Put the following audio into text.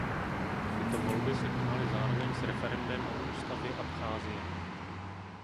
Tyto volby se konaly zároveň s referendem o ústavě Abcházie.